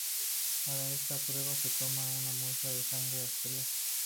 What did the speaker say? Para esta prueba se toma una muestra de sangre arterial.